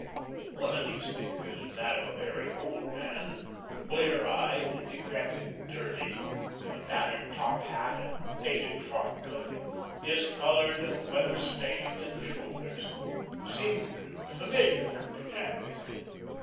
One of these figures, that of a very old man, blear eyed, decrepit, dirty, in a battered top hat and faded frock coat, discoloured and weather stained at the shoulders, seemed familiar to Jadwin.